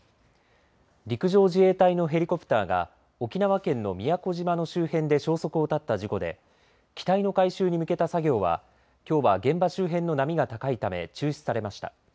陸上自衛隊のヘリコプターが沖縄県の宮古島の周辺で消息を絶った事故で機体の回収に向けた作業はきょうは現場周辺の波が高いため中止されました。